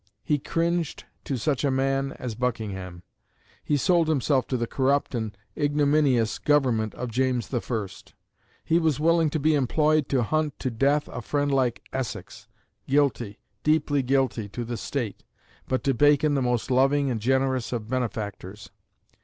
He cringed to such a man as Buckingham. He sold himself to the corrupt and ignominious Government of James I. He was willing to be employed to hunt to death a friend like Essex, guilty, deeply guilty, to the State, but to Bacon the most loving and generous of benefactors.